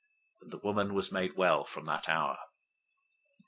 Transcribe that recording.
And the woman was made well from that hour.